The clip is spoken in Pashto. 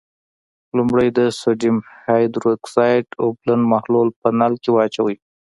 لومړی د سوډیم هایدرو اکسایډ اوبلن محلول په نل کې واچوئ.